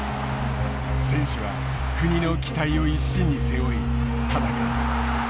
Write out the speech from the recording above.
選手は国の期待を一身に背負い戦う。